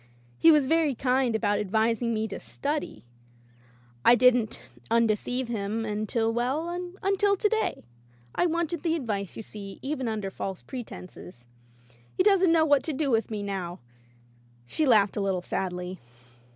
He was very kind about advising me to study. I didn't unde ceive him until — ^well, uptil to day. I wanted the advice, you see, even under false pre tences. He doesn't know what to do with me now —" She laughed a little sadly.